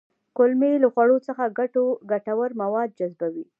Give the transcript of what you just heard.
کولمې له خوړو څخه ګټور مواد جذبوي